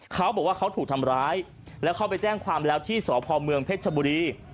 เขาบอกว่าเขาถูกทำร้ายแล้วเขาไปแจ้งความแล้วที่สพเมืองเพชรชบุรี